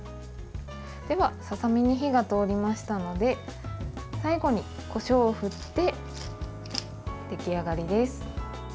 では、ささみに火が通りましたので最後にこしょうを振って出来上がりです。